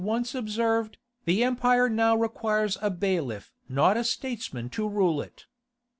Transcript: once observed, "the empire now requires a bailiff not a statesman to rule it."